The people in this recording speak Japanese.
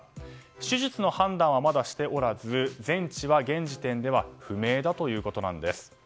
手術の判断はまだしておらず全治は現時点では不明だということです。